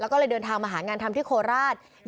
แล้วก็เลยเดินทางมาหางานทำที่โคราช